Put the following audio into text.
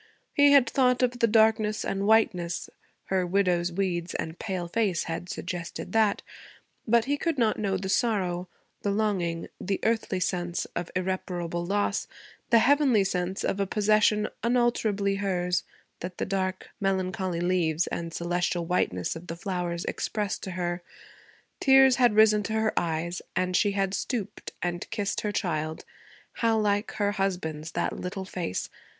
He had thought of the darkness and whiteness; her widow's weeds and pale face had suggested that; but he could not know the sorrow, the longing, the earthly sense of irreparable loss, the heavenly sense of a possession unalterably hers, that the dark, melancholy leaves and celestial whiteness of the flowers expressed to her. Tears had risen to her eyes and she had stooped and kissed her child, how like her husband's that little face!